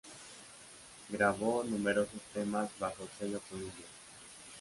Grabó numerosos temas bajo el sello Columbia.